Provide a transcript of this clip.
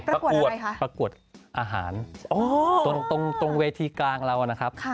ประกวดอะไรคะประกวดอาหารตรงเวทีกลางเรานะครับ